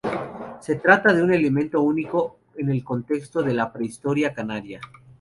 Se trata de un elemento único en el contexto de la prehistoria canaria.